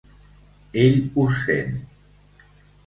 Ell us sent.